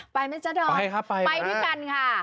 ไปมั้ยเจ่าไปทีกันค่ะ